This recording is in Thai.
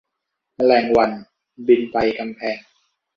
แมลงวันบินไปกำแพง